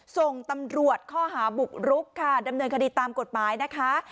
ส่งตำรวจข้อหาบุกรุกค่ะดำเนินคดีตามกฎหมายนะคะ